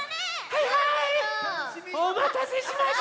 はいはいおまたせしました！